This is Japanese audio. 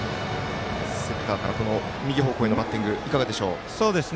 センターから右方向へのバッティングいかがでしょう？